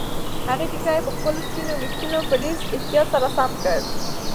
هغې ټیکری پر خپلو سپینو ویښتو په ډېر احتیاط سره سم کړ.